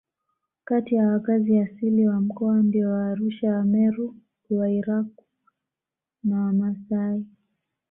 Kati ya wakazi asili wa mkoa ndio Waarusha Wameru Wairaqw na Wamasai